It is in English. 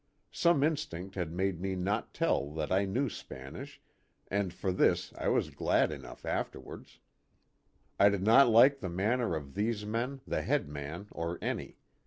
Some instinct had made me not tell that I knew Spanish, and for this I was glad enough afterwards. I did not like the manner of these men, the head man or any.